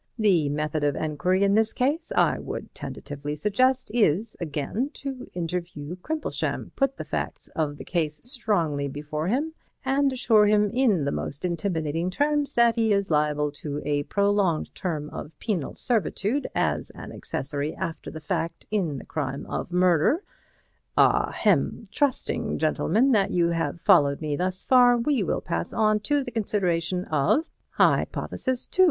The method of enquiry in this case, I would tentatively suggest, is again to interview Crimplesham, put the facts of the case strongly before him, and assure him in the most intimidating terms that he is liable to a prolonged term of penal servitude as an accessory after the fact in the crime of murder— Ah hem! Trusting, gentlemen, that you have followed me thus far, we will pass to the consideration of Hypothesis No.